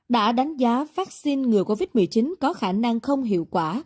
đã đánh giá vaccine ngừa covid một mươi chín có khả năng không hiệu quả